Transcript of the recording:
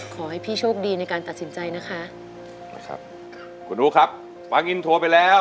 ขอให้พี่โชคดีในการตัดสินใจนะคะ